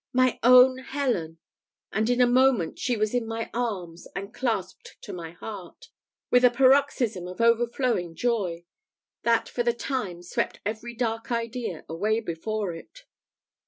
my own Helen! and in a moment she was in my arms, and clasped to my heart, with a paroxysm of overflowing joy, that for the time swept every dark idea away before it.